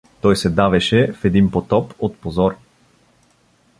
Той се давеше в един потоп от позор.